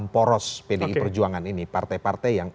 pdi perjuangan ini sudah diperintahkan